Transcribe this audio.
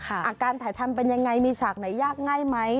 อาการถ่ายทำเป็นยังไงมีฉากไหนยากง่ายไหม